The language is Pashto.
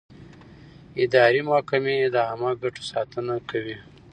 اداري محکمې د عامه ګټو ساتنه کوي.